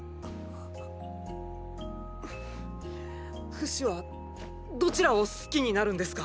フシはどちらを好きになるんですか？